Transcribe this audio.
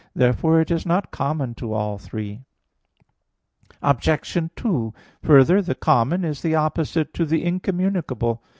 Therefore it is not common to all three. Obj. 2: Further, the common is the opposite to the incommunicable.